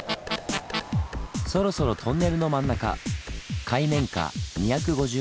そろそろトンネルの真ん中海面下２５０ｍ。